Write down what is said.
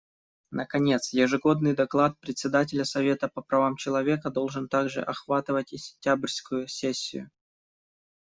Наконец, ежегодный доклад Председателя Совета по правам человека должен также охватывать и сентябрьскую сессию.